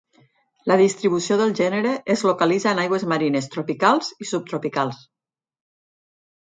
La distribució del gènere es localitza en aigües marines tropicals i subtropicals.